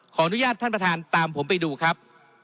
ขออนุญาตท่านประธานตามผมไปดูครับ